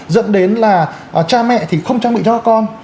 dẫn đến là cha mẹ thì không trang bị cho con